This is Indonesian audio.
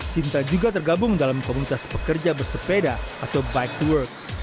sinta juga tergabung dalam komunitas pekerja bersepeda atau bike to work